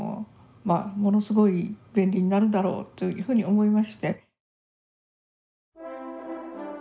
ものすごい便利になるだろうというふうに思いまして。